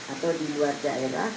atau di luar daerah